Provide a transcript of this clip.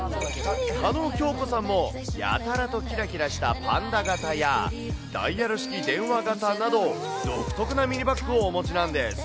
叶恭子さんも、やたらときらきらしたパンダ形やダイヤル式電話型など、独特なミニバッグをお持ちなんです。